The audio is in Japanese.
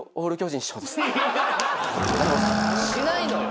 しないのよ。